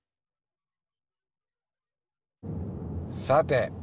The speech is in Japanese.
さて！